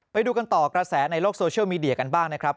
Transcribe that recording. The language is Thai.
ไปดูกันต่อกระแสในโลกโซเชียลมีเดียกันบ้างนะครับ